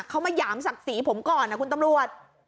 เขามาหยามศักดิ์ศรีผมก่อนนะคุณตำรวจ